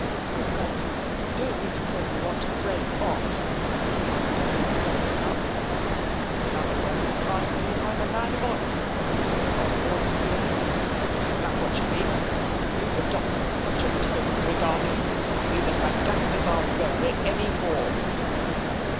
"Good God, you don't mean to say you want to break off?" asked Dobbin, starting up. "In other words, you ask me if I'm a man of honour," said Osborne, fiercely; "is that what you mean? You've adopted such a tone regarding me lately that I'm if I'll bear it any more."